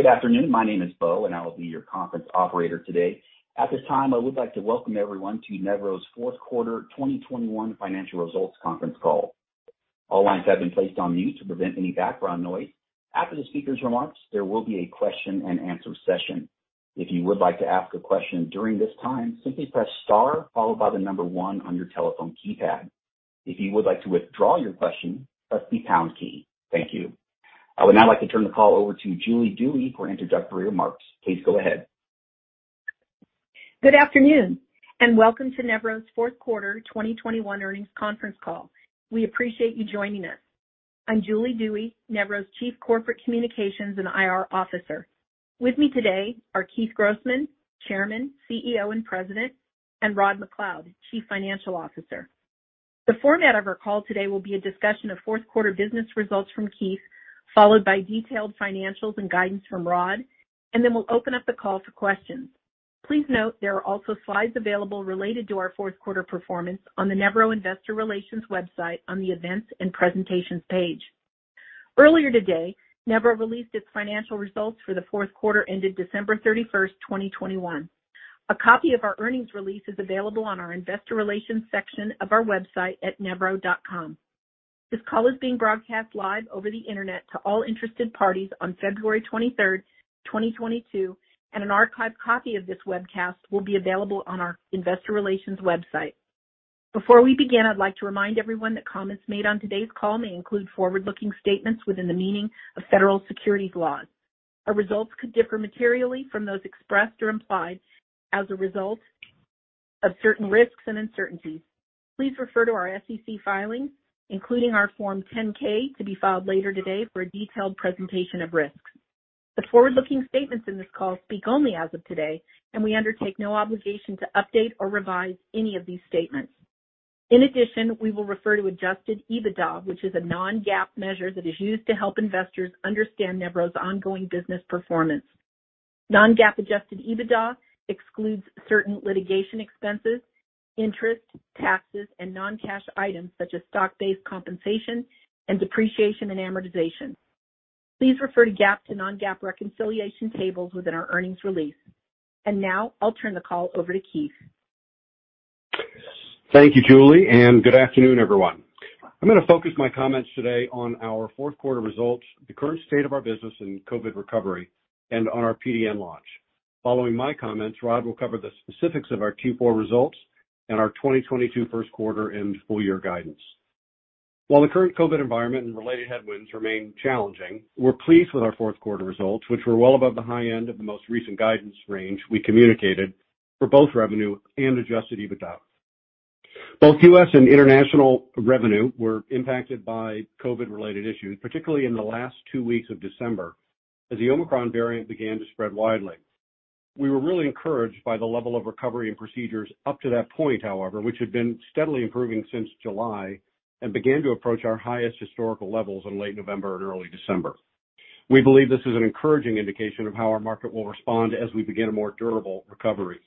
Good afternoon. My name is Beau, and I will be your conference operator today. At this time, I would like to welcome everyone to Nevro's Q4 2021 Financial Results Conference Call. All lines have been placed on mute to prevent any background noise. After the speaker's remarks, there will be a question-and-answer session. If you would like to ask a question during this time, simply press star followed by the number one on your telephone keypad. If you would like to withdraw your question, press the pound key. Thank you. I would now like to turn the call over to Julie Dewey for introductory remarks. Please go ahead. Good afternoon, and welcome to Nevro's Q4 2021 Earnings Conference Call. We appreciate you joining us. I'm Julie Dewey, Nevro's Chief Corporate Communications and IR Officer. With me today are Keith Grossman, Chairman, CEO, and President, and Rod MacLeod, Chief Financial Officer. The format of our call today will be a discussion of Q4 business results from Keith, followed by detailed financials and guidance from Rod, and then we'll open up the call for questions. Please note there are also slides available related to our Q4 performance on the Nevro investor relations website on the events and presentations page. Earlier today, Nevro released its financial results for the Q4 ended December 31, 2021. A copy of our earnings release is available on our investor relations section of our website at nevro.com. This call is being broadcast live over the Internet to all interested parties on 23 February 2022, and an archived copy of this webcast will be available on our investor relations website. Before we begin, I'd like to remind everyone that comments made on today's call may include forward-looking statements within the meaning of federal securities laws. Our results could differ materially from those expressed or implied as a result of certain risks and uncertainties. Please refer to our SEC filings, including our Form 10-K to be filed later today for a detailed presentation of risks. The forward-looking statements in this call speak only as of today, and we undertake no obligation to update or revise any of these statements. In addition, we will refer to adjusted EBITDA, which is a non-GAAP measure that is used to help investors understand Nevro's ongoing business performance. Non-GAAP adjusted EBITDA excludes certain litigation expenses, interest, taxes, and non-cash items such as stock-based compensation and depreciation and amortization. Please refer to GAAP to non-GAAP reconciliation tables within our earnings release. Now I'll turn the call over to Keith. Thank you, Julie, and good afternoon, everyone. I'm gonna focus my comments today on our Q4 results, the current state of our business and COVID recovery, and on our PDN launch. Following my comments, Rod will cover the specifics of our Q4 results and our 2022 Q1 and full year guidance. While the current COVID environment and related headwinds remain challenging, we're pleased with our Q4 results, which were well above the high end of the most recent guidance range we communicated for both revenue and adjusted EBITDA. Both U.S. and international revenue were impacted by COVID-related issues, particularly in the last two weeks of December as the Omicron variant began to spread widely. We were really encouraged by the level of recovery and procedures up to that point, however, which had been steadily improving since July and began to approach our highest historical levels in late November and early December. We believe this is an encouraging indication of how our market will respond as we begin a more durable recovery.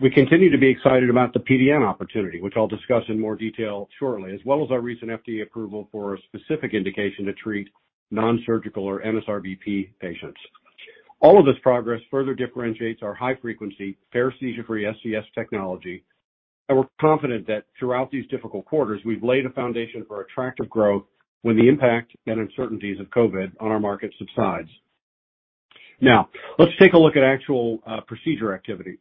We continue to be excited about the PDN opportunity, which I'll discuss in more detail shortly, as well as our recent FDA approval for a specific indication to treat nonsurgical or NSRBP patients. All of this progress further differentiates our high-frequency, paresthesia-free SCS technology, and we're confident that throughout these difficult quarters we've laid a foundation for attractive growth when the impact and uncertainties of COVID on our market subsides. Now, let's take a look at actual procedure activity.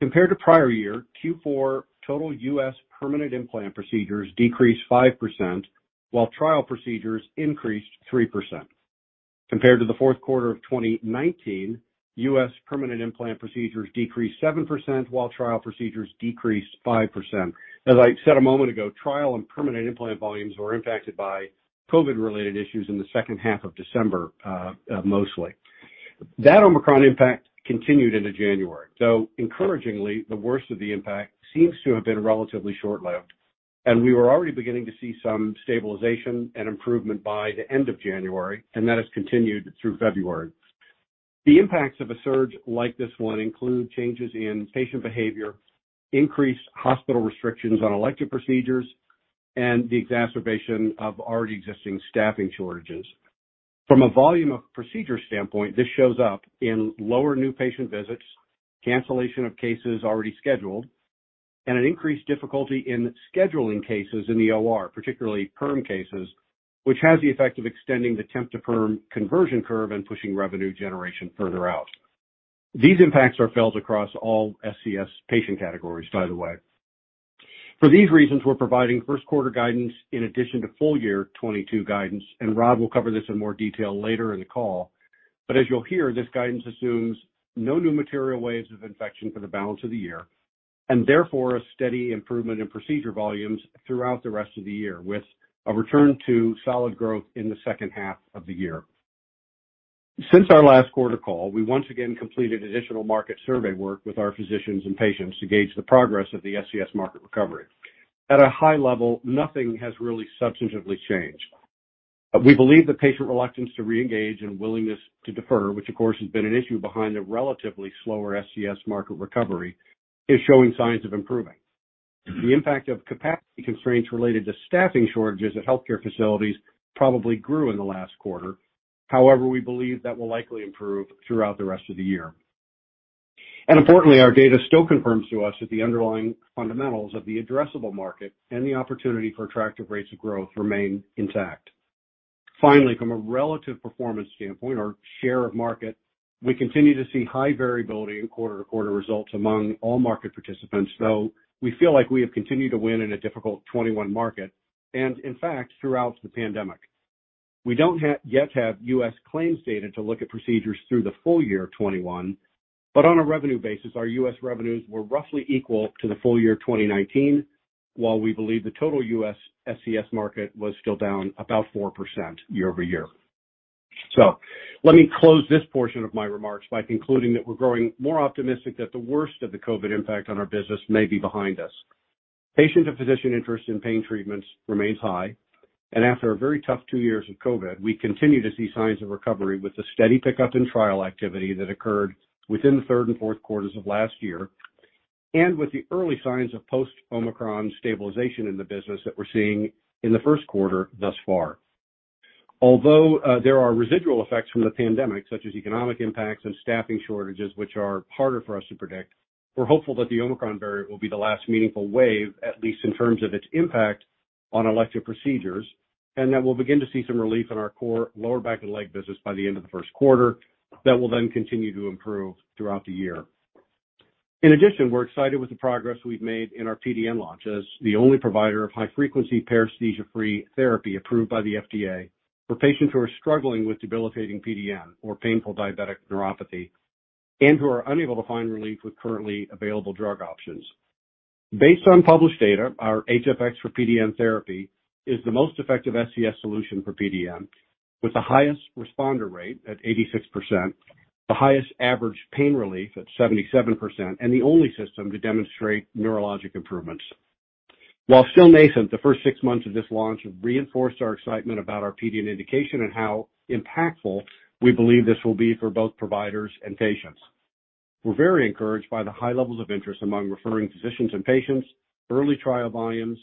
Compared to prior year, Q4 total U.S. permanent implant procedures decreased 5%, while trial procedures increased 3%. Compared to the Q4 of 2019, U.S. permanent implant procedures decreased 7%, while trial procedures decreased 5%. As I said a moment ago, trial and permanent implant volumes were impacted by COVID-related issues in the second half of December, mostly. That Omicron impact continued into January, though encouragingly the worst of the impact seems to have been relatively short-lived, and we were already beginning to see some stabilization and improvement by the end of January, and that has continued through February. The impacts of a surge like this one include changes in patient behavior, increased hospital restrictions on elective procedures, and the exacerbation of already existing staffing shortages. From a volume of procedure standpoint, this shows up in lower new patient visits, cancellation of cases already scheduled, and an increased difficulty in scheduling cases in the OR, particularly perm cases, which has the effect of extending the temp to perm conversion curve and pushing revenue generation further out. These impacts are felt across all SCS patient categories, by the way. For these reasons, we're providing Q1 guidance in addition to full year 2022 guidance, and Rod MacLeod will cover this in more detail later in the call. As you'll hear, this guidance assumes no new material waves of infection for the balance of the year, and therefore a steady improvement in procedure volumes throughout the rest of the year, with a return to solid growth in the second half of the year. Since our last quarter call, we once again completed additional market survey work with our physicians and patients to gauge the progress of the SCS market recovery. At a high level, nothing has really substantively changed. We believe the patient reluctance to reengage and willingness to defer, which of course has been an issue behind the relatively slower SCS market recovery, is showing signs of improving. The impact of capacity constraints related to staffing shortages at healthcare facilities probably grew in the last quarter. However, we believe that will likely improve throughout the rest of the year. Importantly, our data still confirms to us that the underlying fundamentals of the addressable market and the opportunity for attractive rates of growth remain intact. Finally, from a relative performance standpoint or share of market, we continue to see high variability in quarter-to-quarter results among all market participants, though we feel like we have continued to win in a difficult 2021 market and in fact throughout the pandemic. We don't yet have U.S. claims data to look at procedures through the full year 2021, but on a revenue basis, our U.S. revenues were roughly equal to the full year 2019, while we believe the total U.S. SCS market was still down about 4% year-over-year. Let me close this portion of my remarks by concluding that we're growing more optimistic that the worst of the COVID impact on our business may be behind us. Patient and physician interest in pain treatments remains high. After a very tough two years of COVID, we continue to see signs of recovery with the steady pickup in trial activity that occurred within the third and Q4s of last year and with the early signs of post-Omicron stabilization in the business that we're seeing in the Q1 thus far. Although, there are residual effects from the pandemic, such as economic impacts and staffing shortages, which are harder for us to predict, we're hopeful that the Omicron variant will be the last meaningful wave, at least in terms of its impact on elective procedures, and that we'll begin to see some relief in our core lower back and leg business by the end of the Q1 that will then continue to improve throughout the year. In addition, we're excited with the progress we've made in our PDN launch as the only provider of high-frequency paresthesia-free therapy approved by the FDA for patients who are struggling with debilitating PDN or painful diabetic neuropathy and who are unable to find relief with currently available drug options. Based on published data, our HFX for PDN therapy is the most effective SCS solution for PDN with the highest responder rate at 86%, the highest average pain relief at 77%, and the only system to demonstrate neurologic improvements. While still nascent, the first six months of this launch have reinforced our excitement about our PDN indication and how impactful we believe this will be for both providers and patients. We're very encouraged by the high levels of interest among referring physicians and patients, early trial volumes,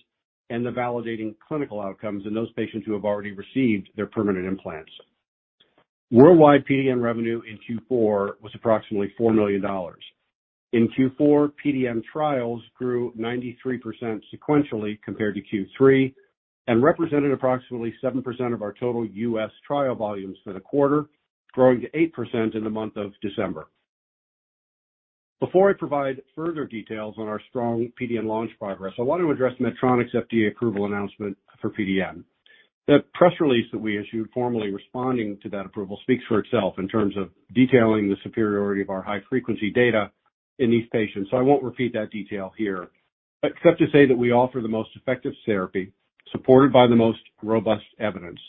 and the validating clinical outcomes in those patients who have already received their permanent implants. Worldwide PDN revenue in Q4 was approximately $4 million. In Q4, PDN trials grew 93% sequentially compared to Q3 and represented approximately 7% of our total U.S. trial volumes for the quarter, growing to 8% in the month of December. Before I provide further details on our strong PDN launch progress, I want to address Medtronic's FDA approval announcement for PDN. The press release that we issued formally responding to that approval speaks for itself in terms of detailing the superiority of our high-frequency data in these patients, so I won't repeat that detail here, except to say that we offer the most effective therapy supported by the most robust evidence.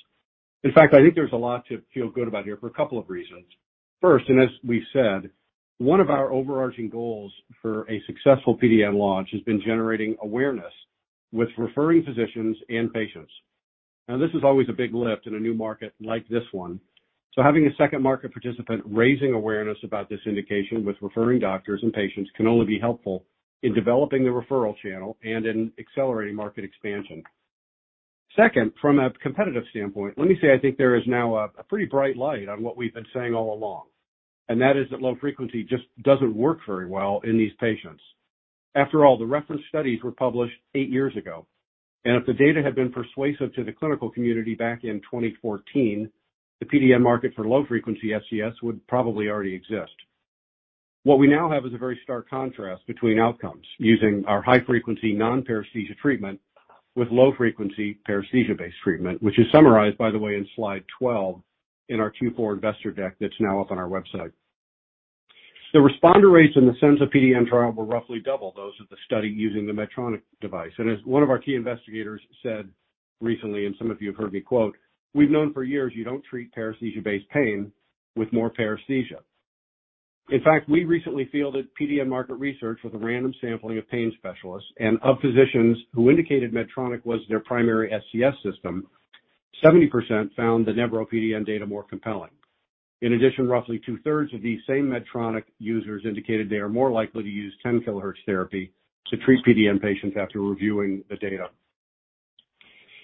In fact, I think there's a lot to feel good about here for a couple of reasons. First, as we said, one of our overarching goals for a successful PDN launch has been generating awareness with referring physicians and patients. Now, this is always a big lift in a new market like this one, so having a second market participant raising awareness about this indication with referring doctors and patients can only be helpful in developing the referral channel and in accelerating market expansion. Second, from a competitive standpoint, let me say I think there is now a pretty bright light on what we've been saying all along, and that is that low frequency just doesn't work very well in these patients. After all, the reference studies were published eight years ago, and if the data had been persuasive to the clinical community back in 2014, the PDN market for low-frequency SCS would probably already exist. What we now have is a very stark contrast between outcomes using our high-frequency non-paresthesia treatment with low-frequency paresthesia-based treatment, which is summarized by the way in slide 12 in our Q4 investor deck that's now up on our website. The responder rates in the Senza PDN trial were roughly double those of the study using the Medtronic device. As one of our key investigators said recently, and some of you have heard me quote, "We've known for years you don't treat paresthesia-based pain with more paresthesia." In fact, we recently fielded PDN market research with a random sampling of pain specialists and of physicians who indicated Medtronic was their primary SCS system. 70% found the Nevro PDN data more compelling. In addition, roughly two-thirds of these same Medtronic users indicated they are more likely to use 10 kilohertz therapy to treat PDN patients after reviewing the data.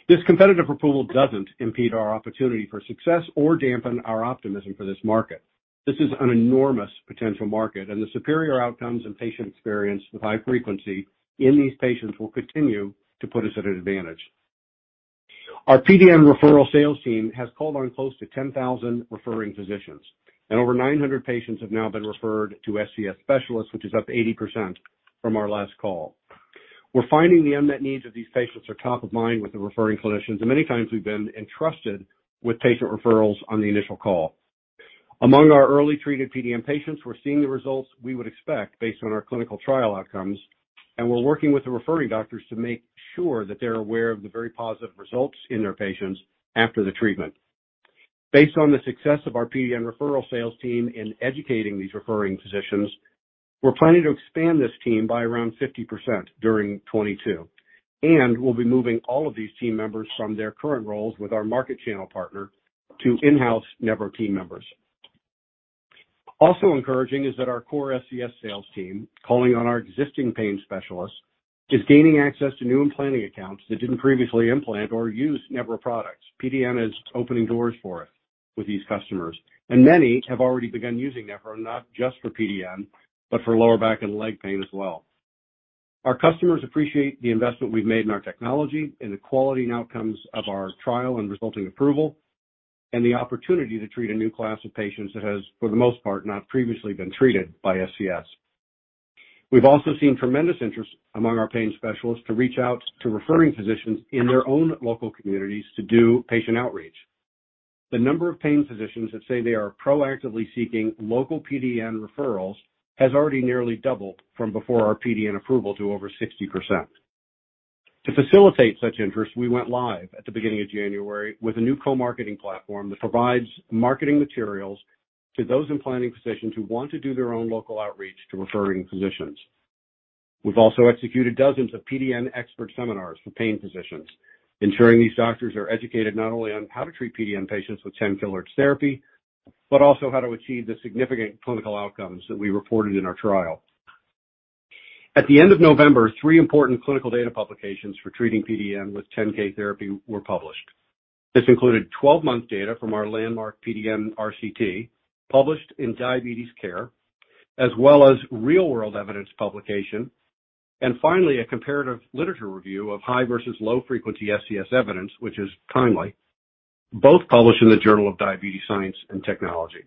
This competitive approval doesn't impede our opportunity for success or dampen our optimism for this market. This is an enormous potential market, and the superior outcomes and patient experience with high frequency in these patients will continue to put us at an advantage. Our PDN referral sales team has called on close to 10,000 referring physicians, and over 900 patients have now been referred to SCS specialists, which is up 80% from our last call. We're finding the unmet needs of these patients are top of mind with the referring clinicians, and many times we've been entrusted with patient referrals on the initial call. Among our early treated PDN patients, we're seeing the results we would expect based on our clinical trial outcomes, and we're working with the referring doctors to make sure that they're aware of the very positive results in their patients after the treatment. Based on the success of our PDN referral sales team in educating these referring physicians, we're planning to expand this team by around 50% during 2022. We'll be moving all of these team members from their current roles with our market channel partner to in-house Nevro team members. Also encouraging is that our core SCS sales team, calling on our existing pain specialists, is gaining access to new implanting accounts that didn't previously implant or use Nevro products. PDN is opening doors for us with these customers, and many have already begun using Nevro, not just for PDN, but for lower back and leg pain as well. Our customers appreciate the investment we've made in our technology and the quality and outcomes of our trial and resulting approval, and the opportunity to treat a new class of patients that has, for the most part, not previously been treated by SCS. We've also seen tremendous interest among our pain specialists to reach out to referring physicians in their own local communities to do patient outreach. The number of pain physicians that say they are proactively seeking local PDN referrals has already nearly doubled from before our PDN approval to over 60%. To facilitate such interest, we went live at the beginning of January with a new co-marketing platform that provides marketing materials to those implanting physicians who want to do their own local outreach to referring physicians. We've also executed dozens of PDN expert seminars for pain physicians, ensuring these doctors are educated not only on how to treat PDN patients with 10 kilohertz therapy, but also how to achieve the significant clinical outcomes that we reported in our trial. At the end of November, three important clinical data publications for treating PDN with 10 K therapy were published. This included 12-month data from our landmark PDN RCT, published in Diabetes Care, as well as real-world evidence publication, and finally, a comparative literature review of high versus low frequency SCS evidence, which is timely, both published in the Journal of Diabetes Science and Technology.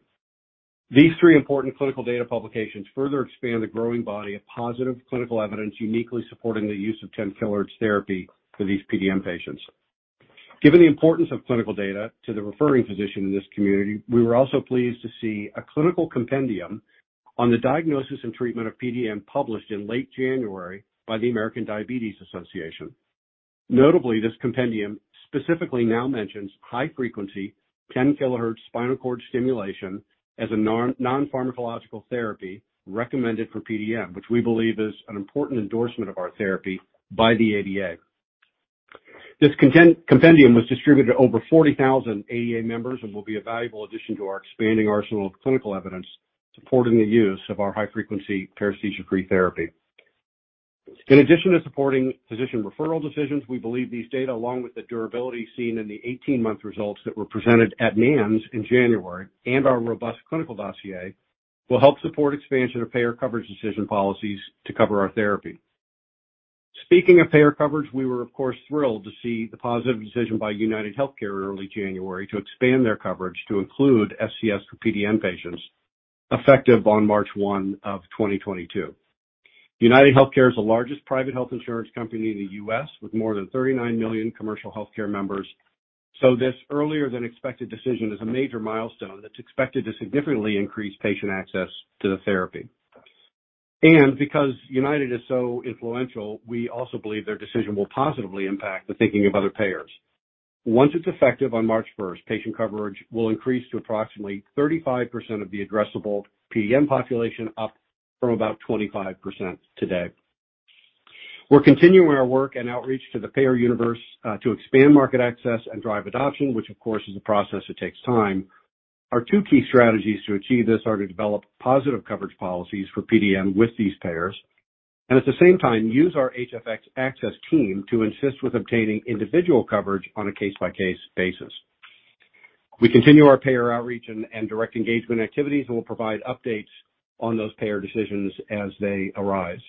These three important clinical data publications further expand the growing body of positive clinical evidence uniquely supporting the use of 10 kHz therapy for these PDN patients. Given the importance of clinical data to the referring physician in this community, we were also pleased to see a clinical compendium on the diagnosis and treatment of PDN published in late January by the American Diabetes Association. Notably, this compendium specifically now mentions high-frequency 10 kHz spinal cord stimulation as a non-pharmacological therapy recommended for PDN, which we believe is an important endorsement of our therapy by the ADA. This compendium was distributed to over 40,000 ADA members and will be a valuable addition to our expanding arsenal of clinical evidence supporting the use of our high-frequency paresthesia-free therapy. In addition to supporting physician referral decisions, we believe these data, along with the durability seen in the 18-month results that were presented at NANS in January and our robust clinical dossier, will help support expansion of payer coverage decision policies to cover our therapy. Speaking of payer coverage, we were of course thrilled to see the positive decision by UnitedHealthcare in early January to expand their coverage to include SCS for PDN patients effective on 1 March 2022. UnitedHealthcare is the largest private health insurance company in the U.S. with more than 39 million commercial healthcare members, so this earlier than expected decision is a major milestone that's expected to significantly increase patient access to the therapy. Because United is so influential, we also believe their decision will positively impact the thinking of other payers. Once it's effective on March first, patient coverage will increase to approximately 35% of the addressable PDN population, up from about 25% today. We're continuing our work and outreach to the payer universe to expand market access and drive adoption, which of course is a process that takes time. Our two key strategies to achieve this are to develop positive coverage policies for PDN with these payers, and at the same time, use our HFX Access team to assist with obtaining individual coverage on a case-by-case basis. We continue our payer outreach and direct engagement activities, and we'll provide updates on those payer decisions as they arise.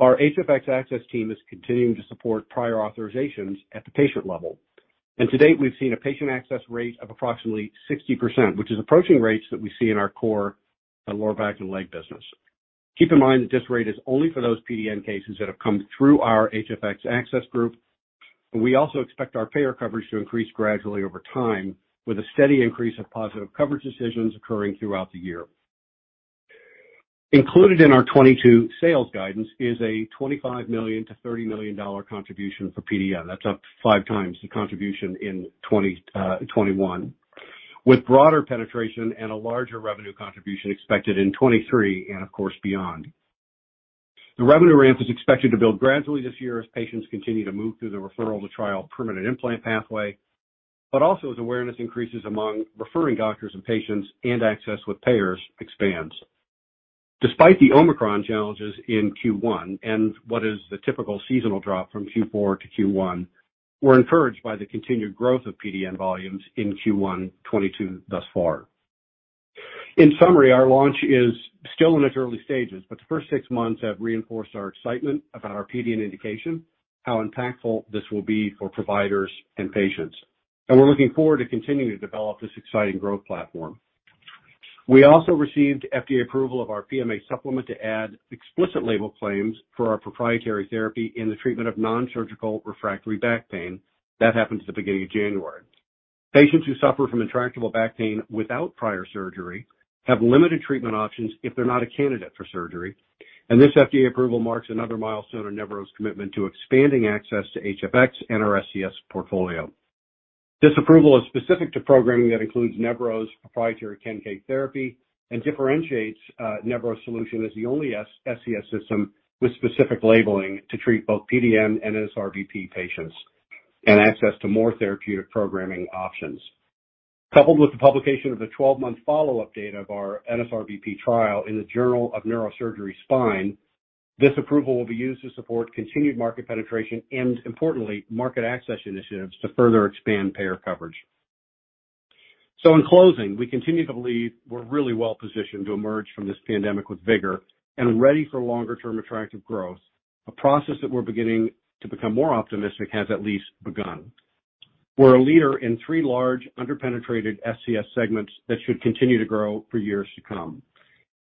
Our HFX Access team is continuing to support prior authorizations at the patient level. To date, we've seen a patient access rate of approximately 60%, which is approaching rates that we see in our core lower back and leg business. Keep in mind that this rate is only for those PDN cases that have come through our HFX Access group. We also expect our payer coverage to increase gradually over time with a steady increase of positive coverage decisions occurring throughout the year. Included in our 2022 sales guidance is a $25 to 30 million contribution for PDN. That's up five times the contribution in 2021, with broader penetration and a larger revenue contribution expected in 2023 and of course beyond. The revenue ramp is expected to build gradually this year as patients continue to move through the referral to trial permanent implant pathway, but also as awareness increases among referring doctors and patients and access with payers expands. Despite the Omicron challenges in Q1 and what is the typical seasonal drop from Q4 to Q1, we're encouraged by the continued growth of PDN volumes in Q1 2022 thus far. In summary, our launch is still in its early stages, but the first six months have reinforced our excitement about our PDN indication, how impactful this will be for providers and patients, and we're looking forward to continuing to develop this exciting growth platform. We also received FDA approval of our PMA supplement to add explicit label claims for our proprietary therapy in the treatment of non-surgical refractory back pain. That happened at the beginning of January. Patients who suffer from intractable back pain without prior surgery have limited treatment options if they're not a candidate for surgery, and this FDA approval marks another milestone in Nevro's commitment to expanding access to HFX and our SCS portfolio. This approval is specific to programming that includes Nevro's proprietary 10 kHz therapy and differentiates Nevro's solution as the only SCS system with specific labeling to treat both PDN and NSRBP patients and access to more therapeutic programming options. Coupled with the publication of the 12-month follow-up data of our NSRBP trial in the Journal of Neurosurgery: Spine, this approval will be used to support continued market penetration and importantly, market access initiatives to further expand payer coverage. In closing, we continue to believe we're really well-positioned to emerge from this pandemic with vigor and ready for longer-term attractive growth, a process that we're beginning to become more optimistic has at least begun. We're a leader in three large under-penetrated SCS segments that should continue to grow for years to come.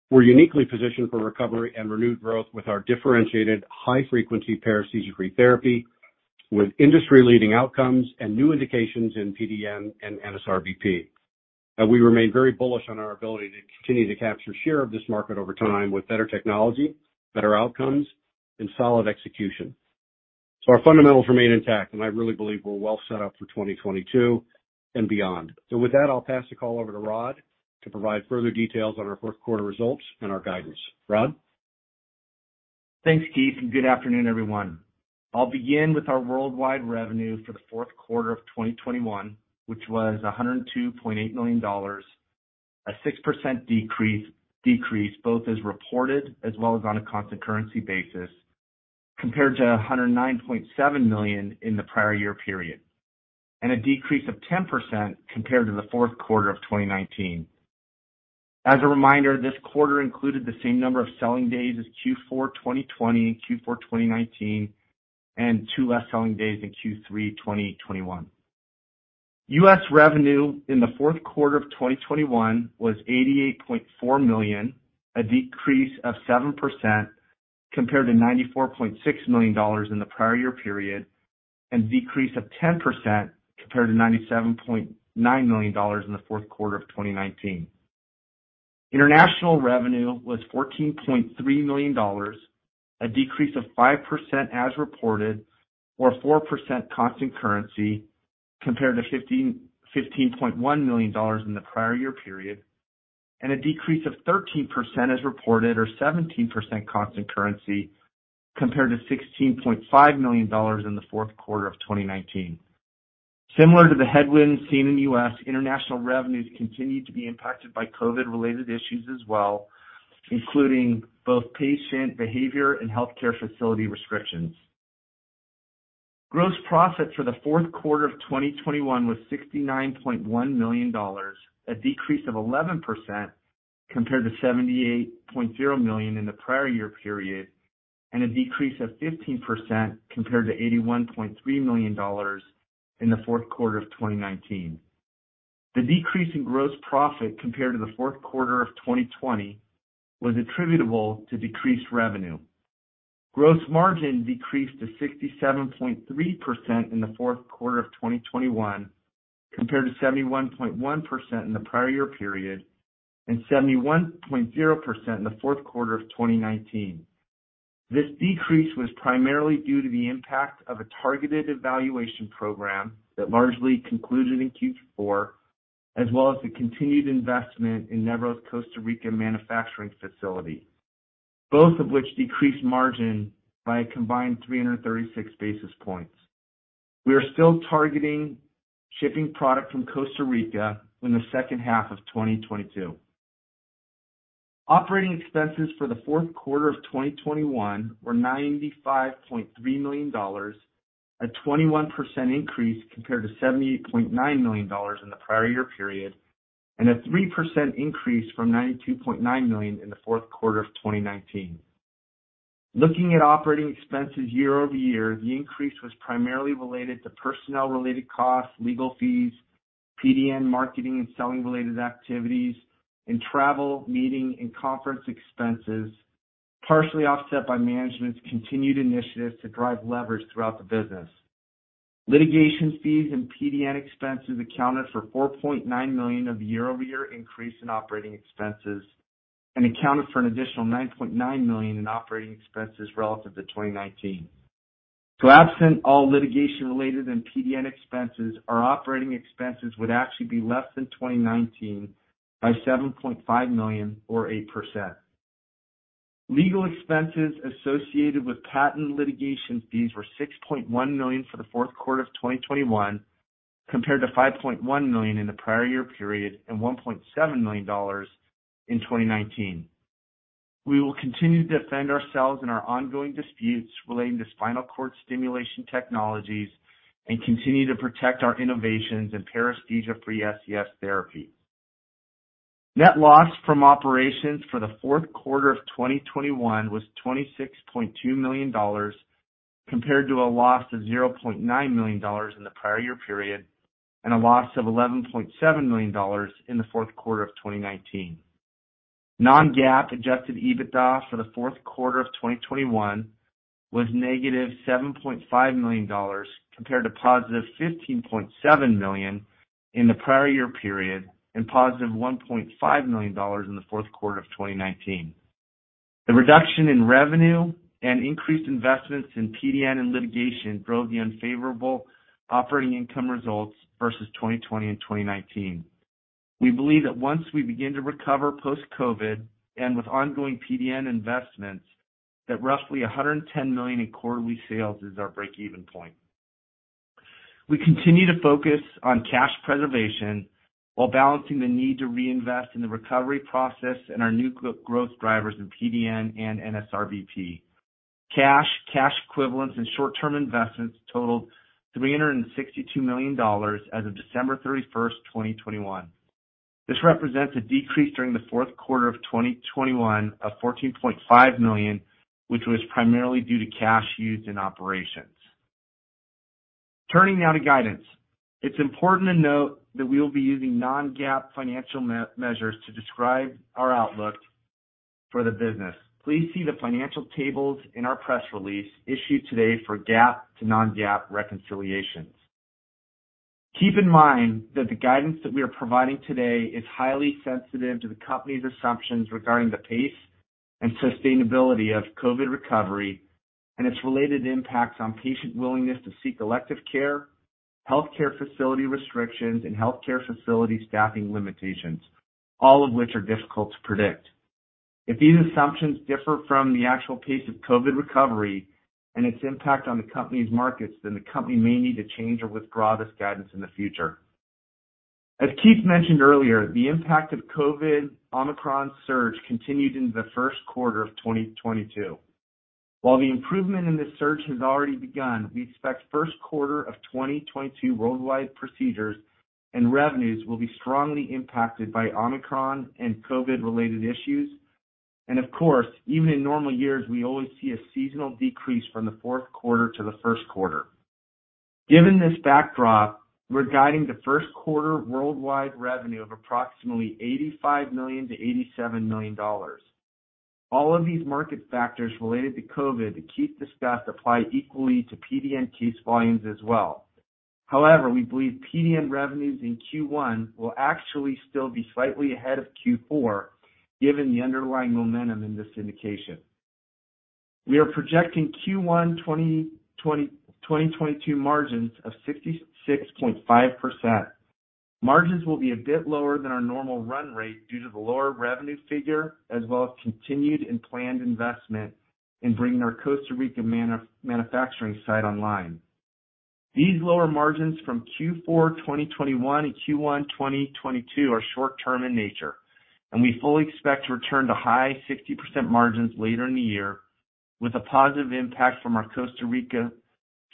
We're uniquely positioned for recovery and renewed growth with our differentiated high-frequency paresthesia-free therapy with industry-leading outcomes and new indications in PDN and NSRBP. We remain very bullish on our ability to continue to capture share of this market over time with better technology, better outcomes, and solid execution. Our fundamentals remain intact, and I really believe we're well set up for 2022 and beyond. With that, I'll pass the call over to Rod to provide further details on our Q4 results and our guidance. Rod? Thanks, Keith, and good afternoon, everyone. I'll begin with our worldwide revenue for the Q4 of 2021, which was $102.8 million, a 6% decrease both as reported as well as on a constant currency basis, compared to $109.7 million in the prior year period. A decrease of 10% compared to the Q4 of 2019. As a reminder, this quarter included the same number of selling days as Q4 2020, Q4 2019, and 2 less selling days than Q3 2021. U.S. revenue in the Q4 of 2021 was $88.4 million, a decrease of 7% compared to $94.6 million in the prior year period, and a decrease of 10% compared to $97.9 million in the Q4 of 2019. International revenue was $14.3 million, a decrease of 5% as reported, or 4% constant currency, compared to $15.1 million in the prior year period, and a decrease of 13% as reported or 17% constant currency compared to $16.5 million in the Q4 of 2019. Similar to the headwinds seen in U.S., international revenues continued to be impacted by COVID-related issues as well, including both patient behavior and healthcare facility restrictions. Gross profit for the Q4 of 2021 was $69.1 million, a decrease of 11% compared to $78.0 million in the prior year period, and a decrease of 15% compared to $81.3 million in the Q4 of 2019. The decrease in gross profit compared to the Q4 of 2020 was attributable to decreased revenue. Gross margin decreased to 67.3% in the Q4 of 2021 compared to 71.1% in the prior year period, and 71.0% in the Q4 of 2019. This decrease was primarily due to the impact of a targeted evaluation program that largely concluded in Q4, as well as the continued investment in Nevro's Costa Rica manufacturing facility, both of which decreased margin by a combined 336 basis points. We are still targeting shipping product from Costa Rica in the second half of 2022. Operating expenses for the Q4 of 2021 were $95.3 million, a 21% increase compared to $78.9 million in the prior year period, and a 3% increase from $92.9 million in the Q4 of 2019. Looking at operating expenses year over year, the increase was primarily related to personnel-related costs, legal fees, PDN marketing and selling related activities, and travel, meeting, and conference expenses, partially offset by management's continued initiatives to drive leverage throughout the business. Litigation fees and PDN expenses accounted for $4.9 million of year-over-year increase in operating expenses and accounted for an additional $9.9 million in operating expenses relative to 2019. Absent all litigation related and PDN expenses, our operating expenses would actually be less than 2019 by $7.5 million or 8%. Legal expenses associated with patent litigation fees were $6.1 million for the Q4 of 2021, compared to $5.1 million in the prior year period and $1.7 million in 2019. We will continue to defend ourselves in our ongoing disputes relating to spinal cord stimulation technologies and continue to protect our innovations in paresthesia-free SCS therapy. Net loss from operations for the Q4 of 2021 was $26.2 million compared to a loss of $0.9 million in the prior year period and a loss of $11.7 million in the Q4 of 2019. Non-GAAP adjusted EBITDA for the Q4 of 2021 was -$7.5 million compared to $15.7 million in the prior year period and $1.5 million in the Q4 of 2019. The reduction in revenue and increased investments in PDN and litigation drove the unfavorable operating income results versus 2020 and 2019. We believe that once we begin to recover post-COVID and with ongoing PDN investments, that roughly $110 million in quarterly sales is our break-even point. We continue to focus on cash preservation while balancing the need to reinvest in the recovery process and our new growth drivers in PDN and NSRBP. Cash, cash equivalents, and short-term investments totaled $362 million as of 31 December 2021. This represents a decrease during the Q4 of 2021 of $14.5 million, which was primarily due to cash used in operations. Turning now to guidance. It's important to note that we will be using non-GAAP financial measures to describe our outlook for the business. Please see the financial tables in our press release issued today for GAAP to non-GAAP reconciliations. Keep in mind that the guidance that we are providing today is highly sensitive to the company's assumptions regarding the pace and sustainability of COVID recovery and its related impacts on patient willingness to seek elective care, healthcare facility restrictions, and healthcare facility staffing limitations, all of which are difficult to predict. If these assumptions differ from the actual pace of COVID recovery and its impact on the company's markets, then the company may need to change or withdraw this guidance in the future. As Keith mentioned earlier, the impact of COVID Omicron surge continued into the Q1 of 2022. While the improvement in this surge has already begun, we expect Q1 of 2022 worldwide procedures and revenues will be strongly impacted by Omicron and COVID-related issues. Of course, even in normal years, we always see a seasonal decrease from the Q4 to the Q1. Given this backdrop, we're guiding the Q1 worldwide revenue of approximately $85 million-$87 million. All of these market factors related to COVID that Keith discussed apply equally to PDN case volumes as well. However, we believe PDN revenues in Q1 will actually still be slightly ahead of Q4, given the underlying momentum in this indication. We are projecting Q1 2020 to 2022 margins of 66.5%. Margins will be a bit lower than our normal run rate due to the lower revenue figure as well as continued and planned investment in bringing our Costa Rica manufacturing site online. These lower margins from Q4 2021 and Q1 2022 are short-term in nature, and we fully expect to return to high 60% margins later in the year with a positive impact from our Costa Rica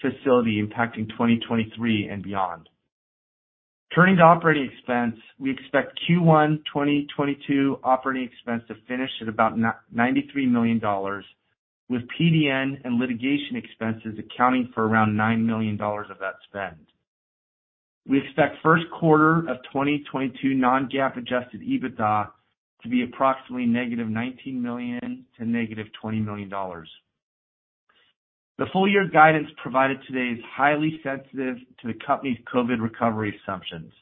facility impacting 2023 and beyond. Turning to operating expense. We expect Q1 2022 operating expense to finish at about $93 million, with PDN and litigation expenses accounting for around $9 million of that spend. We expect Q1 of 2022 non-GAAP adjusted EBITDA to be approximately -$19 million to -$20 million. The full year guidance provided today is highly sensitive to the company's COVID recovery assumptions,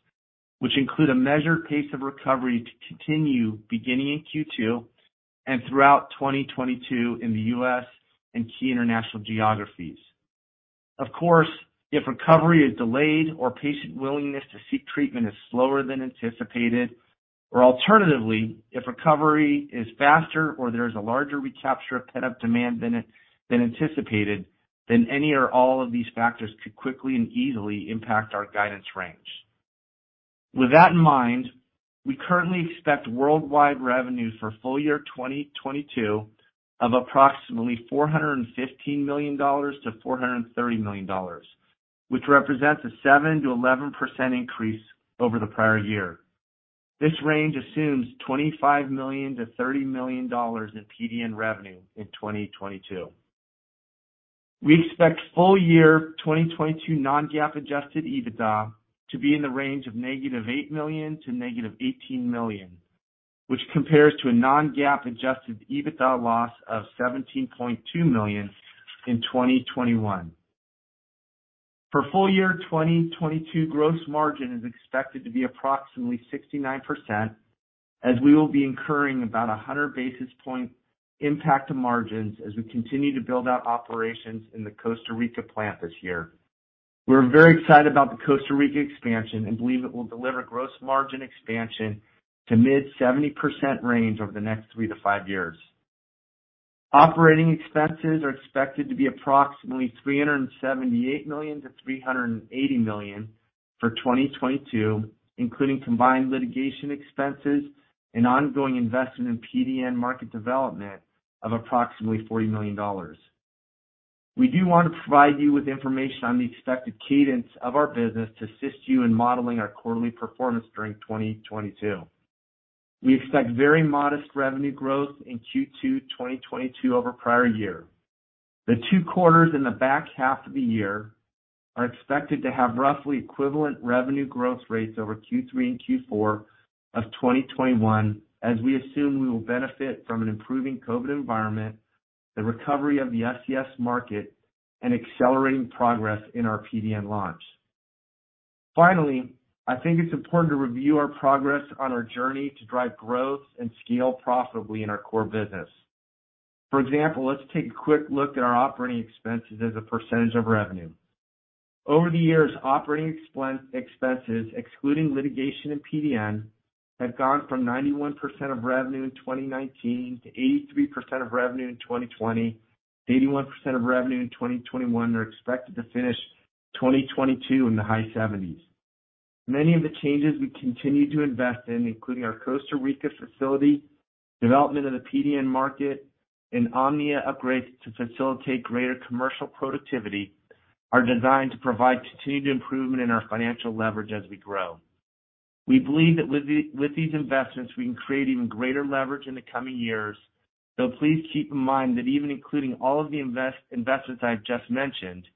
which include a measured pace of recovery to continue beginning in Q2 and throughout 2022 in the U.S. and key international geographies. Of course, if recovery is delayed or patient willingness to seek treatment is slower than anticipated, or alternatively, if recovery is faster or there is a larger recapture of pent-up demand than anticipated, then any or all of these factors could quickly and easily impact our guidance range. With that in mind, we currently expect worldwide revenue for full year 2022 of approximately $415 to 430 million, which represents a 7% to 11% increase over the prior year. This range assumes $25 to 30 million in PDN revenue in 2022. We expect full year 2022 non-GAAP adjusted EBITDA to be in the range of -$8 million to -$18 million, which compares to a non-GAAP adjusted EBITDA loss of $17.2 million in 2021. For full year 2022, gross margin is expected to be approximately 69%, as we will be incurring about 100 basis point impact to margins as we continue to build out operations in the Costa Rica plant this year. We're very excited about the Costa Rica expansion and believe it will deliver gross margin expansion to mid-70% range over the next three to five years. Operating expenses are expected to be approximately $378 to 380 million for 2022, including combined litigation expenses and ongoing investment in PDN market development of approximately $40 million. We do want to provide you with information on the expected cadence of our business to assist you in modeling our quarterly performance during 2022. We expect very modest revenue growth in Q2 2022 over prior year. The two quarters in the back half of the year are expected to have roughly equivalent revenue growth rates over Q3 and Q4 of 2021, as we assume we will benefit from an improving COVID environment, the recovery of the SCS market, and accelerating progress in our PDN launch. Finally, I think it's important to review our progress on our journey to drive growth and scale profitably in our core business. For example, let's take a quick look at our operating expenses as a percentage of revenue. Over the years, operating expenses, excluding litigation and PDN, have gone from 91% of revenue in 2019 to 83% of revenue in 2020 to 81% of revenue in 2021. They're expected to finish 2022 in the high 70s. Many of the changes we continue to invest in, including our Costa Rica facility, development of the PDN market, and Omnia upgrades to facilitate greater commercial productivity, are designed to provide continued improvement in our financial leverage as we grow. We believe that with these investments, we can create even greater leverage in the coming years, though please keep in mind that even including all of the investments I've just mentioned,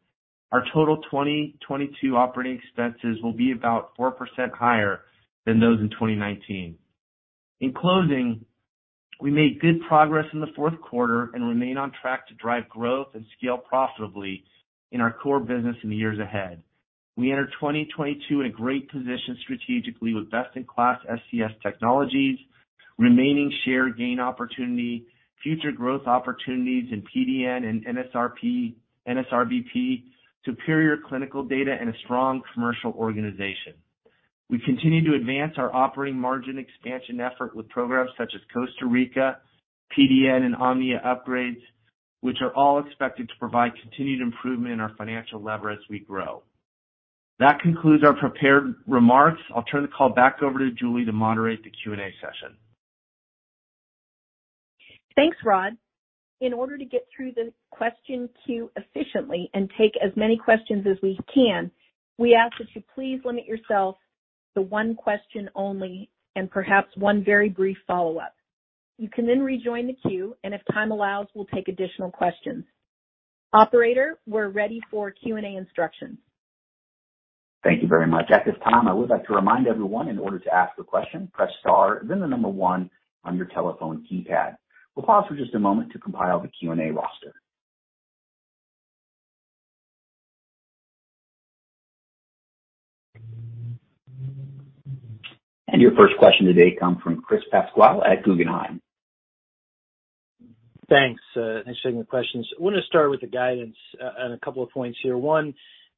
our total 2022 operating expenses will be about 4% higher than those in 2019. In closing, we made good progress in the Q4 and remain on track to drive growth and scale profitably in our core business in the years ahead. We enter 2022 in a great position strategically with best-in-class SCS technologies, remaining share gain opportunity, future growth opportunities in PDN and NSRBP, superior clinical data, and a strong commercial organization. We continue to advance our operating margin expansion effort with programs such as Costa Rica, PDN, and Omnia upgrades, which are all expected to provide continued improvement in our financial leverage as we grow. That concludes our prepared remarks. I'll turn the call back over to Julie to moderate the Q&A session. Thanks, Rod. In order to get through the question queue efficiently and take as many questions as we can, we ask that you please limit yourself to one question only and perhaps one very brief follow-up. You can then rejoin the queue, and if time allows, we'll take additional questions. Operator, we're ready for Q&A instructions. Thank you very much. At this time, I would like to remind everyone, in order to ask a question, press star and then the number one on your telephone keypad. We'll pause for just a moment to compile the Q&A roster. Your first question today comes from Chris Pasquale at Guggenheim. Thanks for taking the questions. I wanted to start with the guidance, and a couple of points here. One,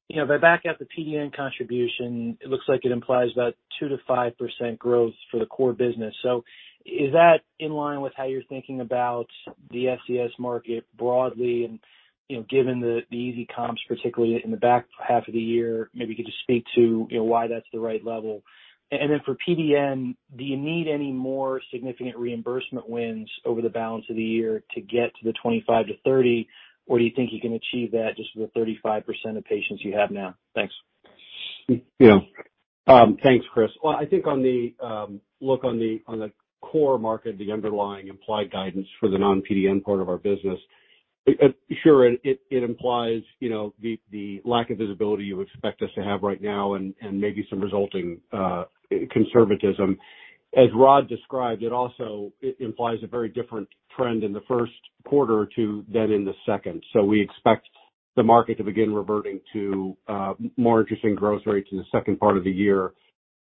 you know, if I back out the PDN contribution, it looks like it implies about 2% to % growth for the core business. Is that in line with how you're thinking about the SCS market broadly? You know, given the easy comps, particularly in the back half of the year, maybe you could just speak to why that's the right level. For PDN, do you need any more significant reimbursement wins over the balance of the year to get to the 25 to 30, or do you think you can achieve that just with the 35% of patients you have now? Thanks. Yeah. Thanks, Chris. Well, I think on the look on the core market, the underlying implied guidance for the non-PDN part of our business, sure, it implies, you know, the lack of visibility you expect us to have right now and maybe some resulting conservatism. As Rod described, it also implies a very different trend in the Q1 or two than in the second. We expect the market to begin reverting to more interesting growth rates in the second part of the year.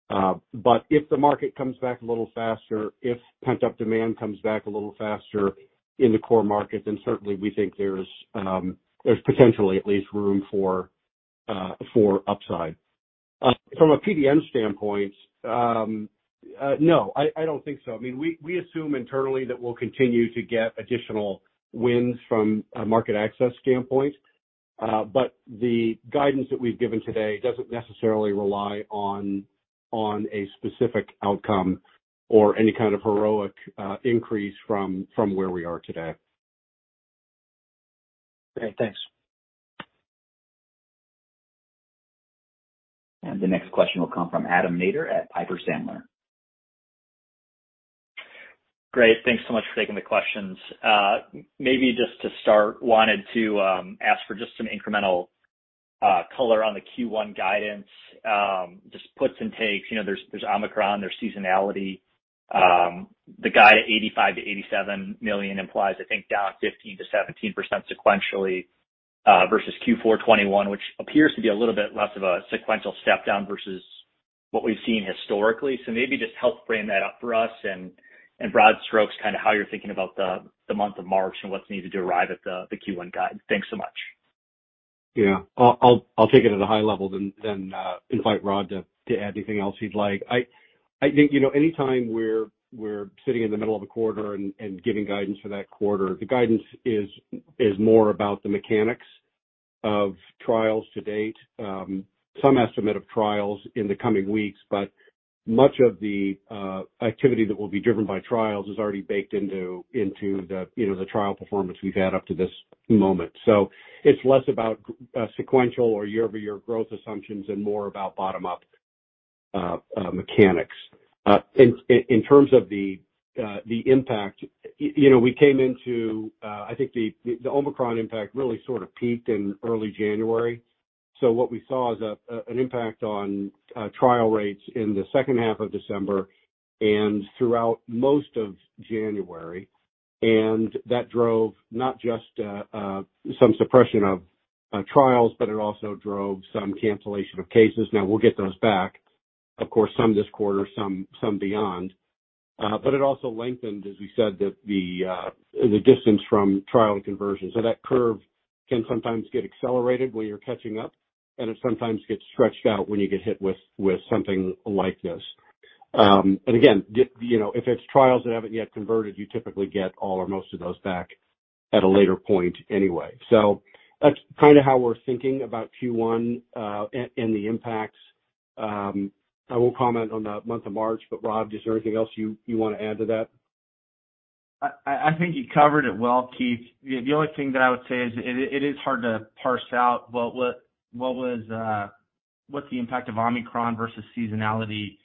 But if the market comes back a little faster, if pent-up demand comes back a little faster in the core market, then certainly we think there's potentially at least room for upside. From a PDN standpoint, no, I don't think so. I mean, we assume internally that we'll continue to get additional wins from a market access standpoint. The guidance that we've given today doesn't necessarily rely on a specific outcome or any kind of heroic increase from where we are today. Okay, thanks. The next question will come from Adam Maeder at Piper Sandler. Great. Thanks so much for taking the questions. Maybe just to start, wanted to ask for just some incremental color on the Q1 guidance, just puts and takes. You know, there's Omicron, there's seasonality. The guide at $85 to 87 million implies, I think, down 15% to 7% sequentially versus Q4 2021, which appears to be a little bit less of a sequential step down versus what we've seen historically. Maybe just help frame that up for us and broad strokes, kind of how you're thinking about the month of March and what's needed to arrive at the Q1 guide. Thanks so much. Yeah. I'll take it at a high level then invite Rod to add anything else he'd like. I think, you know, anytime we're sitting in the middle of a quarter and giving guidance for that quarter, the guidance is more about the mechanics of trials to date, some estimate of trials in the coming weeks. Much of the activity that will be driven by trials is already baked into the, you know, the trial performance we've had up to this moment. It's less about sequential or year-over-year growth assumptions and more about bottom-up mechanics. In terms of the impact, you know, we came into, I think the Omicron impact really sort of peaked in early January. What we saw is an impact on trial rates in the second half of December and throughout most of January. That drove not just some suppression of trials, but it also drove some cancellation of cases. Now, we'll get those back. Of course, some this quarter, some beyond. But it also lengthened, as we said, the distance from trial to conversion. That curve can sometimes get accelerated when you're catching up, and it sometimes gets stretched out when you get hit with something like this. Again, you know, if it's trials that haven't yet converted, you typically get all or most of those back at a later point anyway. That's kind of how we're thinking about Q1 and the impacts. I won't comment on the month of March, but Rod, is there anything else you wanna add to that? I think you covered it well, Keith. The only thing that I would say is it is hard to parse out what the impact of Omicron versus seasonality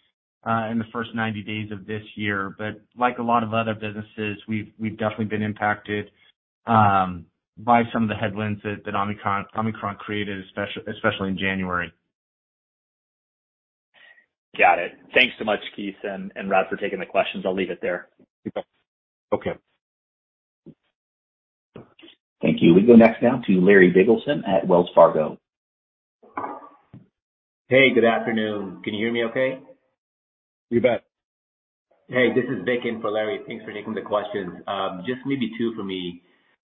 in the first 90 days of this year. Like a lot of other businesses, we've definitely been impacted by some of the headwinds that Omicron created, especially in January. Got it. Thanks so much, Keith and Rod, for taking the questions. I'll leave it there. You bet. Okay. Thank you. We go next now to Larry Biegelsen at Wells Fargo. Hey, good afternoon. Can you hear me okay? You bet. Hey, this is Vikram for Larry. Thanks for taking the questions. Just maybe two for me.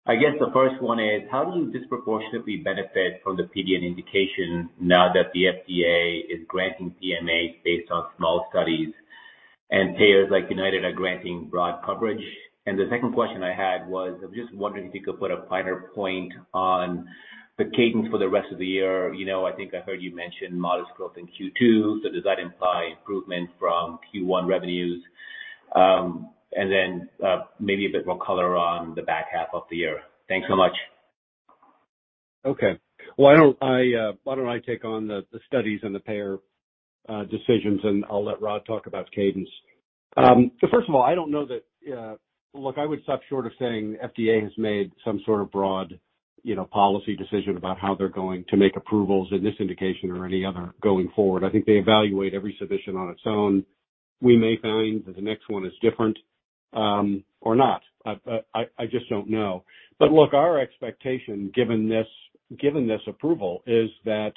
I guess the first one is, how do you disproportionately benefit from the PDN indication now that the FDA is granting PMAs based on small studies and payers like United are granting broad coverage? The second question I had was, I'm just wondering if you could put a finer point on the cadence for the rest of the year. You know, I think I heard you mention modest growth in Q2, so does that imply improvement from Q1 revenues? And then maybe a bit more color on the back half of the year. Thanks so much. Okay. Well, why don't I take on the studies and the payer decisions, and I'll let Rod talk about cadence. First of all, I don't know that, look, I would stop short of saying FDA has made some sort of broad, you know, policy decision about how they're going to make approvals in this indication or any other going forward. I think they evaluate every submission on its own. We may find that the next one is different, or not. I just don't know. Look, our expectation, given this approval, is that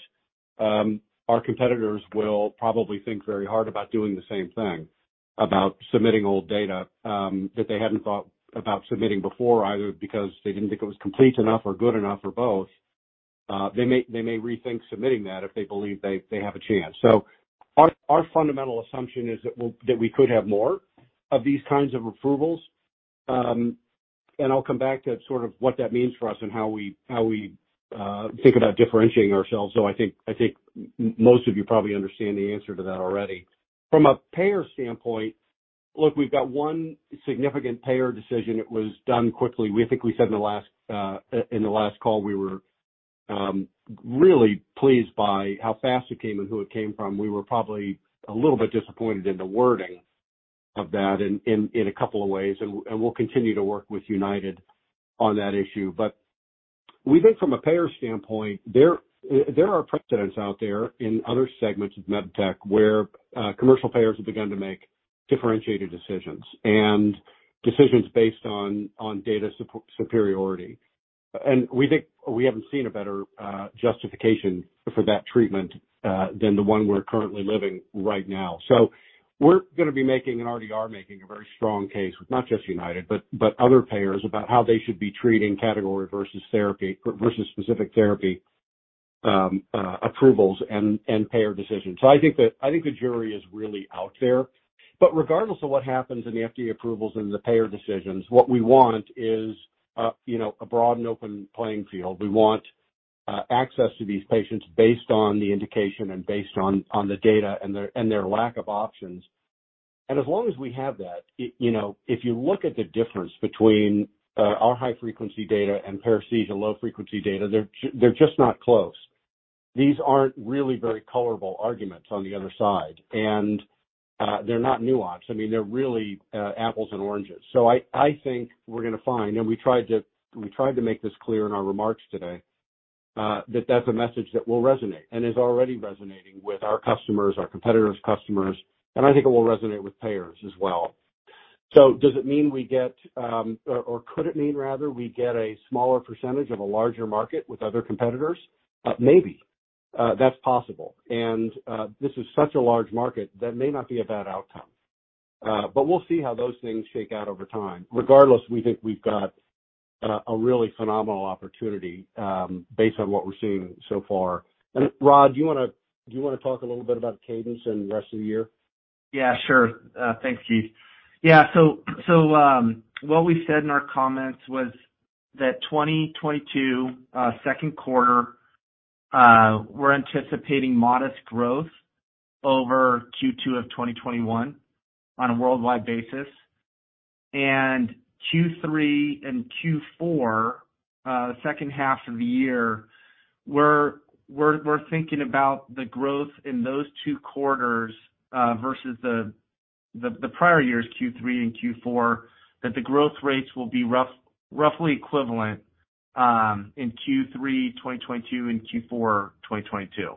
our competitors will probably think very hard about doing the same thing, about submitting old data that they hadn't thought about submitting before, either because they didn't think it was complete enough or good enough or both. They may rethink submitting that if they believe they have a chance. Our fundamental assumption is that we could have more of these kinds of approvals. I'll come back to sort of what that means for us and how we think about differentiating ourselves, though I think most of you probably understand the answer to that already. From a payer standpoint, look, we've got one significant payer decision. It was done quickly. We think we said in the last call, we were really pleased by how fast it came and who it came from. We were probably a little bit disappointed in the wording of that in a couple of ways, and we'll continue to work with United on that issue. We think from a payer standpoint, there are precedents out there in other segments of med tech where commercial payers have begun to make differentiated decisions and decisions based on data superiority. We think we haven't seen a better justification for that treatment than the one we're currently living right now. We're gonna be making and already are making a very strong case with not just United, but other payers about how they should be treating category versus therapy versus specific therapy approvals and payer decisions. I think the jury is really out there. Regardless of what happens in the FDA approvals and the payer decisions, what we want is, you know, a broad and open playing field. We want access to these patients based on the indication and based on the data and their lack of options. As long as we have that, you know, if you look at the difference between our high-frequency data and paresthesia low-frequency data, they're just not close. These aren't really very colorable arguments on the other side, and they're not nuanced. I mean, they're really apples and oranges. I think we're gonna find, and we tried to make this clear in our remarks today, that that's a message that will resonate and is already resonating with our customers, our competitors' customers, and I think it will resonate with payers as well. Does it mean we get, or could it mean rather, we get a smaller percentage of a larger market with other competitors? Maybe. That's possible. This is such a large market, that may not be a bad outcome. We'll see how those things shake out over time. Regardless, we think we've got a really phenomenal opportunity based on what we're seeing so far. Rod, do you wanna talk a little bit about cadence and the rest of the year? Yeah, sure. Thanks, Keith. Yeah, so what we said in our comments was that 2022 Q2, we're anticipating modest growth over Q2 of 2021 on a worldwide basis. Q3 and Q4, second half of the year, we're thinking about the growth in those two quarters versus the prior year's Q3 and Q4, that the growth rates will be roughly equivalent in Q3 2022 and Q4 2022.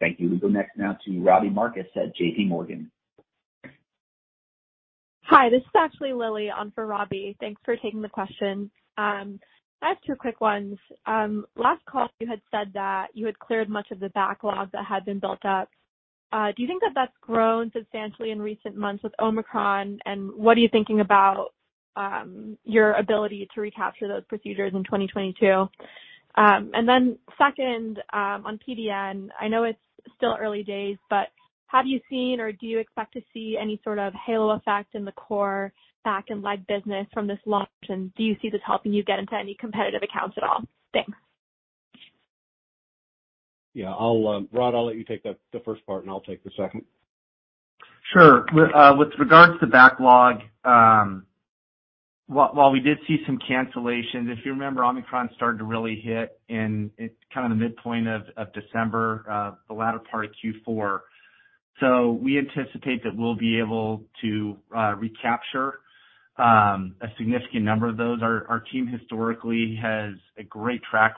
Thank you. We go next now to Robbie Marcus at JPMorgan. Hi, this is actually Lily on for Robbie. Thanks for taking the question. I have two quick ones. Last call, you had said that you had cleared much of the backlog that had been built up. Do you think that that's grown substantially in recent months with Omicron? What are you thinking about your ability to recapture those procedures in 2022? Second, on PDN, I know it's still early days, but have you seen or do you expect to see any sort of halo effect in the core back and leg business from this launch? Do you see this helping you get into any competitive accounts at all? Thanks. Yeah, Rod, I'll let you take the first part, and I'll take the second. Sure. With regards to backlog, while we did see some cancellations, if you remember, Omicron started to really hit in kind of the midpoint of December, the latter part of Q4. We anticipate that we'll be able to recapture a significant number of those. Our team historically has a great track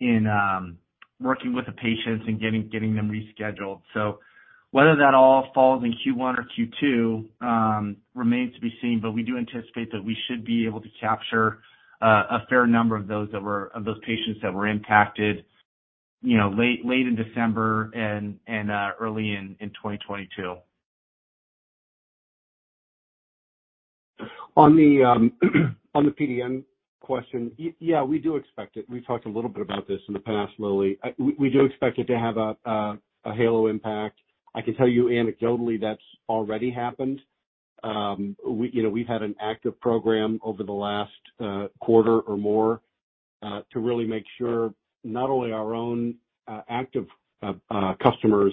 record in working with the patients and getting them rescheduled. Whether that all falls in Q1 or Q2 remains to be seen, but we do anticipate that we should be able to capture a fair number of those patients that were impacted, you know, late in December and early in 2022. On the PDN question, yeah, we do expect it. We've talked a little bit about this in the past, Lily. We do expect it to have a halo impact. I can tell you anecdotally that's already happened. We, you know, we've had an active program over the last quarter or more to really make sure not only our own active customers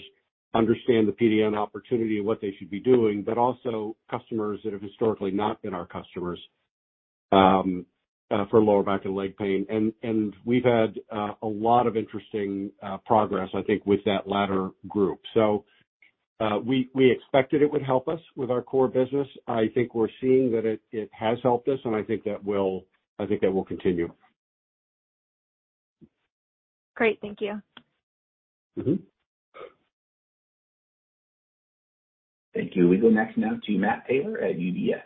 understand the PDN opportunity and what they should be doing, but also customers that have historically not been our customers for lower back and leg pain. We've had a lot of interesting progress, I think, with that latter group. We expected it would help us with our core business. I think we're seeing that it has helped us, and I think that will continue. Great. Thank you. Mm-hmm. Thank you. We go next now to Matt Taylor at UBS.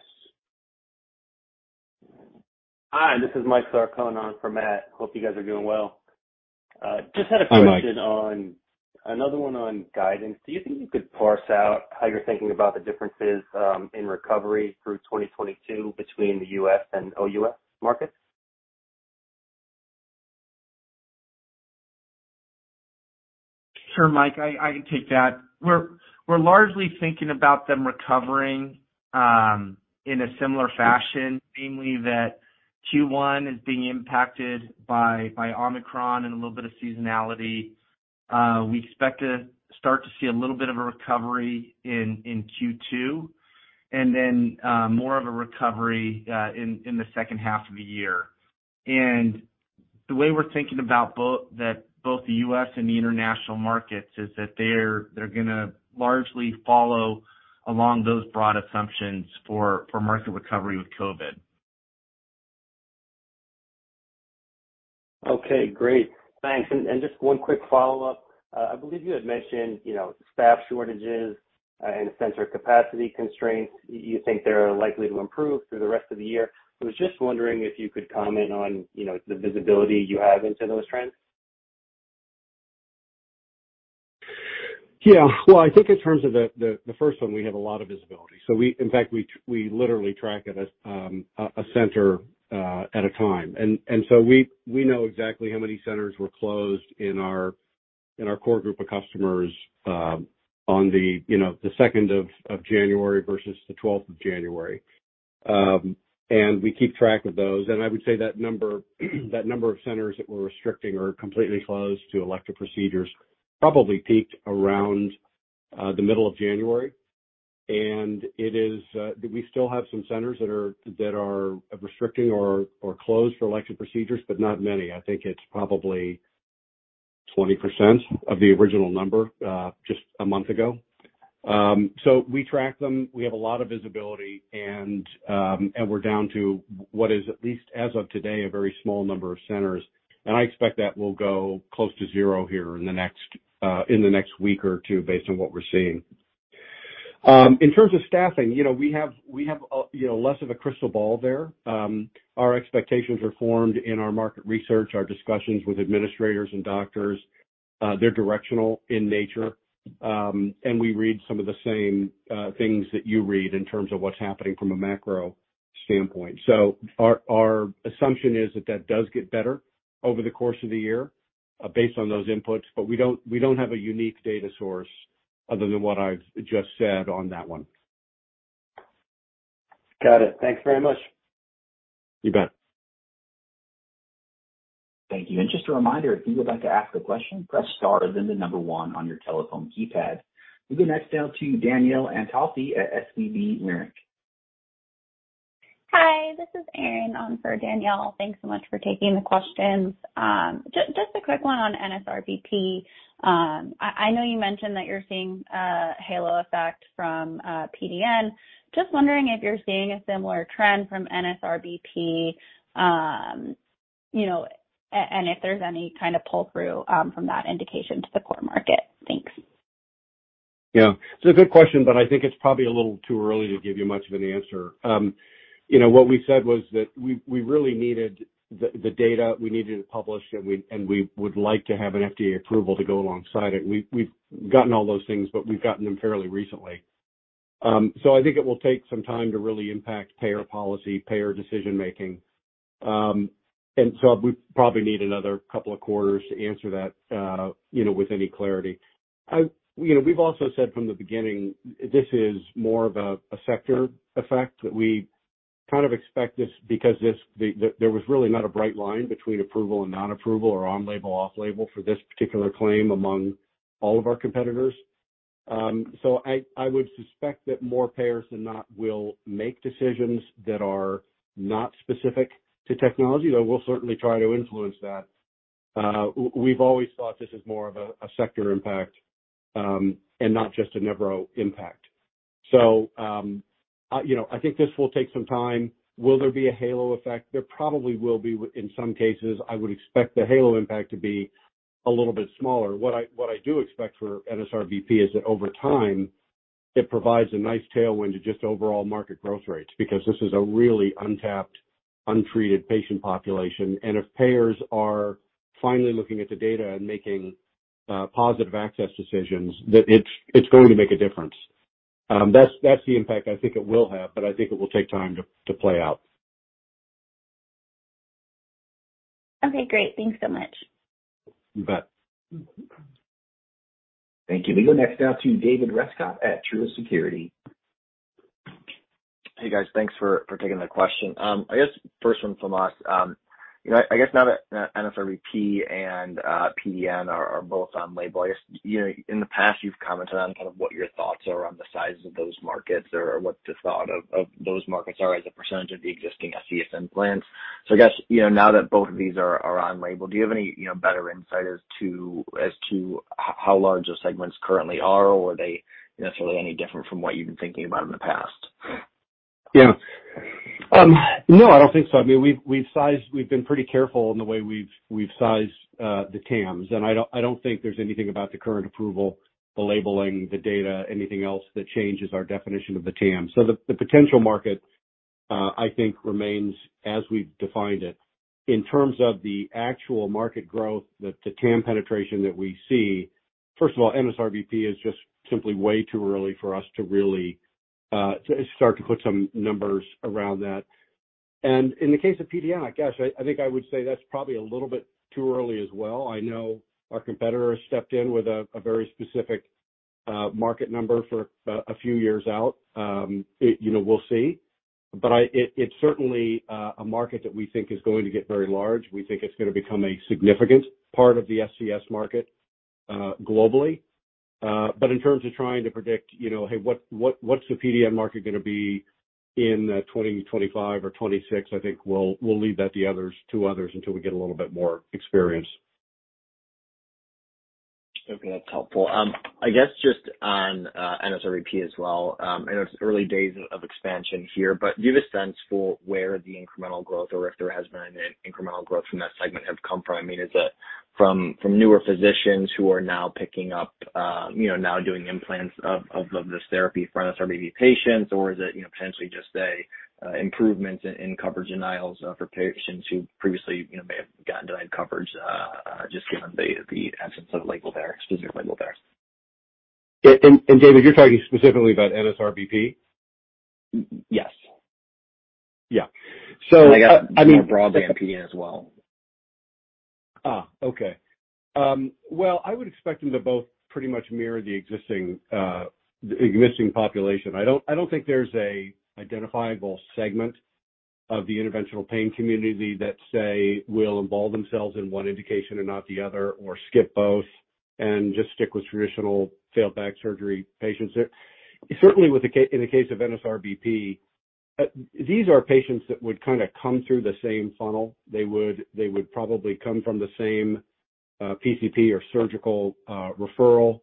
Hi, this is Michael Sarcone on for Matt. Hope you guys are doing well. Just had a question. Hi, Mike. On another one on guidance. Do you think you could parse out how you're thinking about the differences in recovery through 2022 between the U.S. and OUS markets? Sure, Mike, I can take that. We're largely thinking about them recovering in a similar fashion, namely that Q1 is being impacted by Omicron and a little bit of seasonality. We expect to start to see a little bit of a recovery in Q2, and then more of a recovery in the second half of the year. The way we're thinking about that both the U.S. and the international markets is that they're gonna largely follow along those broad assumptions for market recovery with COVID. Okay. Great. Thanks. Just one quick follow-up. I believe you had mentioned, you know, staff shortages, and center capacity constraints. Do you think they are likely to improve through the rest of the year? I was just wondering if you could comment on, you know, the visibility you have into those trends. Yeah. Well, I think in terms of the first one, we have a lot of visibility. In fact, we literally track it as a center at a time. We know exactly how many centers were closed in our core group of customers on, you know, the second of January versus the twelfth of January. We keep track of those. I would say that number of centers that were restricting or completely closed to elective procedures probably peaked around the middle of January. We still have some centers that are restricting or closed for elective procedures, but not many. I think it's probably 20% of the original number just a month ago. We track them. We have a lot of visibility and we're down to what is, at least as of today, a very small number of centers. I expect that will go close to zero here in the next week or two based on what we're seeing. In terms of staffing, you know, we have a you know less of a crystal ball there. Our expectations are formed in our market research, our discussions with administrators and doctors. They're directional in nature. We read some of the same things that you read in terms of what's happening from a macro standpoint. Our assumption is that it does get better over the course of the year, based on those inputs, but we don't have a unique data source other than what I've just said on that one. Got it. Thanks very much. You bet. Thank you. Just a reminder, if you would like to ask a question, press star, then the number one on your telephone keypad. We'll go next now to Danielle Antalffy at SVB Leerink. Hi, this is Erin on for Danielle. Thanks so much for taking the questions. Just a quick one on NSRBP. I know you mentioned that you're seeing a halo effect from PDN. Just wondering if you're seeing a similar trend from NSRBP, you know, and if there's any kind of pull-through from that indication to the core market. Thanks. Yeah. It's a good question, but I think it's probably a little too early to give you much of an answer. You know, what we said was that we really needed the data, we needed it published, and we would like to have an FDA approval to go alongside it. We've gotten all those things, but we've gotten them fairly recently. I think it will take some time to really impact payer policy, payer decision-making. We probably need another couple of quarters to answer that, you know, with any clarity. You know, we've also said from the beginning, this is more of a sector effect, that we kind of expect this because there was really not a bright line between approval and non-approval or on-label, off-label for this particular claim among all of our competitors. I would suspect that more payers than not will make decisions that are not specific to technology, though we'll certainly try to influence that. We've always thought this is more of a sector impact and not just a Nevro impact. You know, I think this will take some time. Will there be a halo effect? There probably will be in some cases. I would expect the halo impact to be a little bit smaller. What I do expect for NSRBP is that over time, it provides a nice tailwind to just overall market growth rates because this is a really untapped, untreated patient population. If payers are finally looking at the data and making positive access decisions, that it's going to make a difference. That's the impact I think it will have, but I think it will take time to play out. Okay, great. Thanks so much. You bet. Thank you. We go next now to David Rescott at Truist Securities. Hey, guys. Thanks for taking the question. I guess first one from us, you know, I guess now that NSRBP and PDN are both on label, you know, in the past, you've commented on kind of what your thoughts are on the size of those markets or what the thought of those markets are as a percentage of the existing SCS plans. I guess, you know, now that both of these are on label, do you have any better insight as to how large those segments currently are, or are they necessarily any different from what you've been thinking about in the past? Yeah. No, I don't think so. I mean, we've been pretty careful in the way we've sized the TAMs, and I don't think there's anything about the current approval, the labeling, the data, anything else that changes our definition of the TAM. The potential market I think remains as we've defined it. In terms of the actual market growth, the TAM penetration that we see, first of all, NSRBP is just simply way too early for us to really to start to put some numbers around that. In the case of PDN, I guess I think I would say that's probably a little bit too early as well. I know our competitor has stepped in with a very specific market number for a few years out. You know, we'll see. It's certainly a market that we think is going to get very large. We think it's gonna become a significant part of the SCS market globally. In terms of trying to predict, you know, hey, what's the PDN market gonna be in 2025 or 2026, I think we'll leave that to others until we get a little bit more experience. Okay. That's helpful. I guess just on NSRBP as well, I know it's early days of expansion here, but do you have a sense for where the incremental growth or if there has been an incremental growth from that segment have come from? I mean, is it from newer physicians who are now picking up, you know, doing implants of this therapy for NSRBP patients, or is it, you know, potentially just a improvements in coverage denials for patients who previously, you know, may have gotten denied coverage, just given the absence of label there, exclusive label there? David, you're talking specifically about NSRBP? Y-yes. Yeah. I mean. I guess more broadly MP as well. Okay. Well, I would expect them to both pretty much mirror the existing population. I don't think there's an identifiable segment of the interventional pain community that, say, will involve themselves in one indication and not the other or skip both and just stick with traditional failed back surgery patients. Certainly in the case of NSRBP, these are patients that would kinda come through the same funnel. They would probably come from the same PCP or surgical referral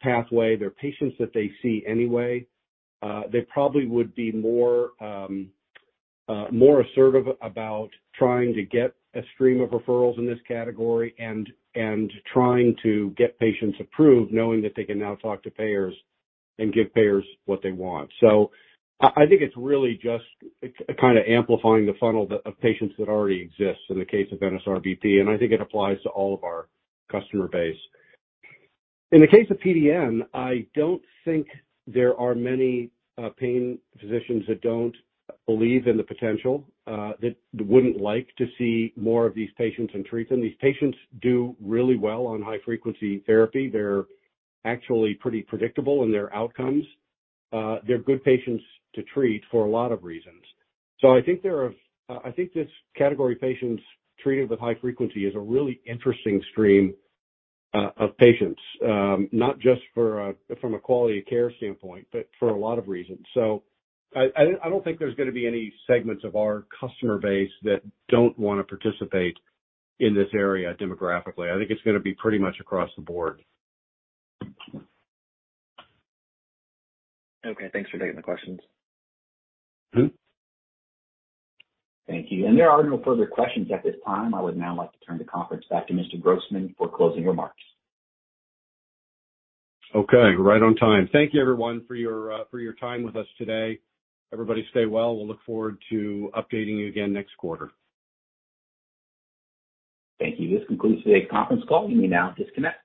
pathway. They're patients that they see anyway. They probably would be more assertive about trying to get a stream of referrals in this category and trying to get patients approved, knowing that they can now talk to payers and give payers what they want. I think it's really just kind of amplifying the funnel of patients that already exists in the case of NSRBP. I think it applies to all of our customer base. In the case of PDN, I don't think there are many pain physicians that don't believe in the potential that wouldn't like to see more of these patients and treat them. These patients do really well on high-frequency therapy. They're actually pretty predictable in their outcomes. They're good patients to treat for a lot of reasons. I think this category of patients treated with high frequency is a really interesting stream of patients, not just from a quality of care standpoint, but for a lot of reasons. I don't think there's gonna be any segments of our customer base that don't wanna participate in this area demographically. I think it's gonna be pretty much across the board. Okay, thanks for taking the questions. Mm-hmm. Thank you. There are no further questions at this time. I would now like to turn the conference back to Mr. Grossman for closing remarks. Okay. Right on time. Thank you, everyone, for your time with us today. Everybody stay well. We'll look forward to updating you again next quarter. Thank you. This concludes today's conference call. You may now disconnect.